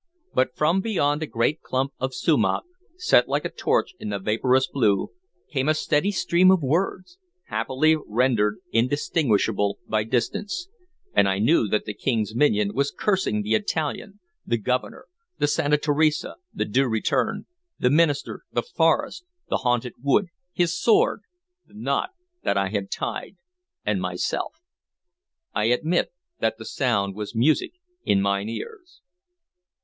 But from beyond a great clump of sumach, set like a torch in the vaporous blue, came a steady stream of words, happily rendered indistinguishable by distance, and I knew that the King's minion was cursing the Italian, the Governor, the Santa Teresa, the Due Return, the minister, the forest, the haunted wood, his sword, the knot that I had tied, and myself. I admit that the sound was music in mine ears.